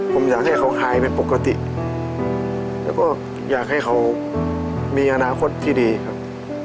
ผมอยากให้เขาหายเป็นปกติแล้วก็อยากให้เขามีอนาคตที่ดีครับ